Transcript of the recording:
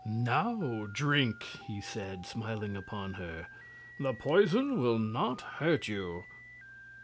"Now drink!" he said, smiling upon her; "the poison will not hurt you."